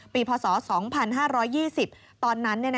พศ๒๕๒๐ตอนนั้น